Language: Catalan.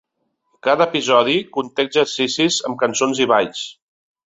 Cada episodi conté exercicis amb cançons i balls.